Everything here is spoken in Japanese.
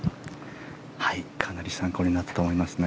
かなり参考になると思いますね。